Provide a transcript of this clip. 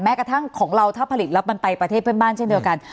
กระทั่งของเราถ้าผลิตแล้วมันไปประเทศเพื่อนบ้านเช่นเดียวกัน